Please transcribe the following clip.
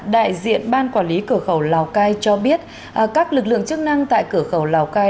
đại diện ban quản lý cửa khẩu lào cai cho biết các lực lượng chức năng tại cửa khẩu lào cai